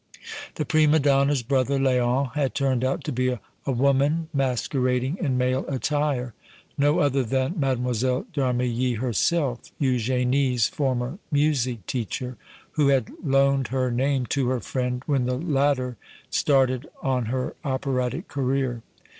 The prima donna's brother Léon had turned out to be a woman masquerading in male attire, no other than Mlle. d' Armilly herself, Eugénie's former music teacher, who had loaned her name to her friend when the latter started on her operatic career.